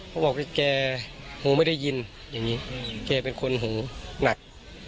ผมบอกว่าแกหูไม่ได้ยินแกเป็นคนหูหนัก